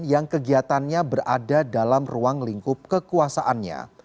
yang kegiatannya berada dalam ruang lingkup kekuasaannya